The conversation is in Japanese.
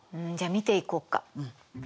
じゃあ見ていこっか。